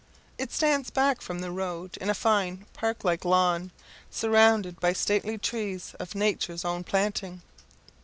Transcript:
It stands back from the road in a fine park like lawn, surrounded by stately trees of nature's own planting.